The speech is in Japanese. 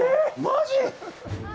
マジ！？